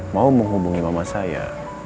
mau menghubungi mama saya